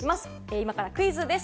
今からクイズです。